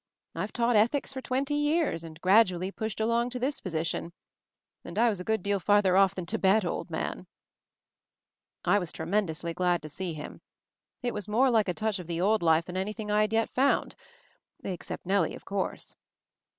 IVe taught Ethics for twenty years, and gradually pushed along to this position. And I was a good deal farther off than Tibet, old man." I was tremendously glad to see him. It was more like a touch of the old life than anything I had yet found — except Nellie, of course.